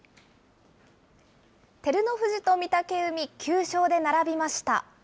照ノ富士と御嶽海、９勝で並びました。